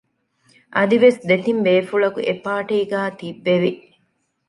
އަދިވެސް ދެތިން ބޭފުޅަކު އެޕާޓީގައި ތިއްބެވި